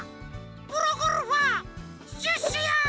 プロゴルファーシュッシュや！